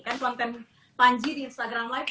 kan konten panji di instagram live